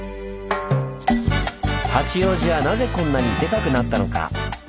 八王子はなぜこんなにデカくなったのか？